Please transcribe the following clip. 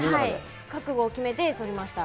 覚悟を決めてそりました。